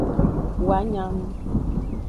Woa nya nu.